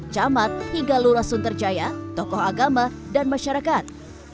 camat hingga lura sunterjaya tokoh agama dan masyarakat